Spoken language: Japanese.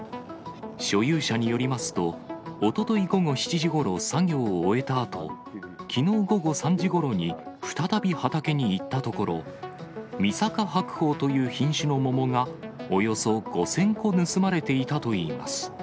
所有者によりますと、おととい午後７時ごろ、作業を終えたあと、きのう午後３時ごろに、再び畑に行ったところ、みさか白鳳という品種の桃が、およそ５０００個盗まれていたといいます。